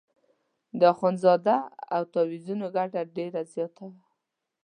د اخندزاده د تاویزانو ګټه ډېره زیاته وه.